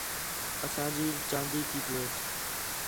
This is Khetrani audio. اساں جی چاندی تی پلیٹ